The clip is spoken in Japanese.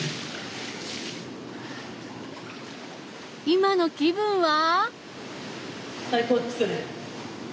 今の気分は？